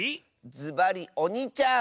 ずばりおにちゃん！